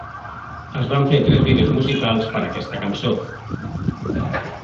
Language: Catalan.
Es van fer tres vídeos musicals per a aquesta cançó.